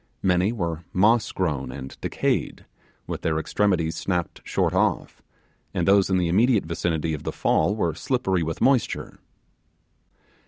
Many were moss grown and decayed, with their extremities snapped short off, and those in the immediate vicinity of the fall were slippery with moisture.